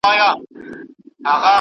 ¬ لويي يوازي له خداى سره ښايي.